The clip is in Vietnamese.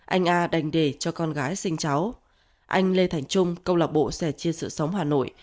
anh a đành để cho con gái sinh cháu anh lê thành trung công lạc bộ sẻ chiên sự sống hà nội